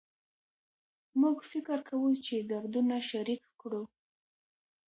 موږ فکر کوو چې دردونه شریک کړو